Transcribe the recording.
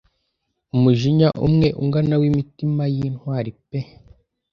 Umujinya umwe ungana wimitima yintwari pe